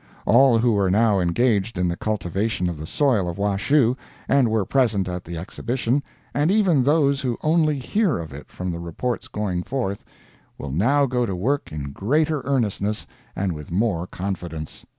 All who are now engaged in the cultivation of the soil of Washoe, and were present at the exhibition—and even those who only hear of it from the reports going forth—will now go to work in greater earnestness and with more confidence.